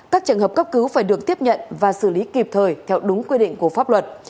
các trường hợp cấp cứu phải được tiếp nhận và xử lý kịp thời theo đúng quy định của pháp luật